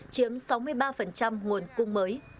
chiếm sáu mươi ba nguồn cung mới